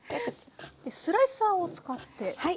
スライサーを使って。